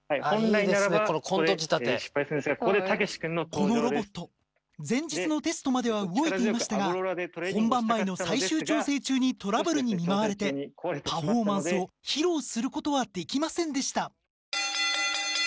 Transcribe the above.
このロボット前日のテストまでは動いていましたが本番前の最終調整中にトラブルに見舞われてパフォーマンスを披露することはできませんでした。